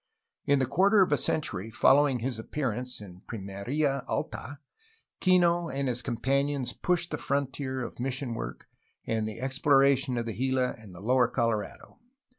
In the quarter of a century following his appearance in Pimerla Alta, Kino and his companions pushed the frontier of mission work and exploration to the Gila and the lower Colorado.